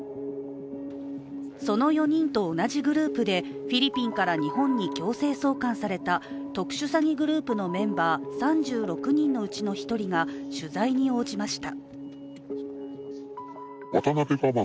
その４人と同じグループでフィリピンから日本に強制送還された特殊詐欺グループのメンバー３６人のうちの１人が取材に応じました。